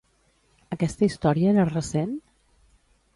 Aquesta història era recent?